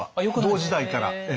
同時代から。